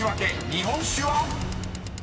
［日本酒は⁉］